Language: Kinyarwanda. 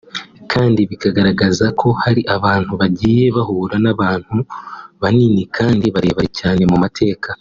kandi bikagaragaza ko hari abantu bagiye bahura n’abantu banini kandi barebere cyane mu mateka